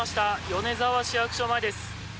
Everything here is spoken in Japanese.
米沢市役所前です。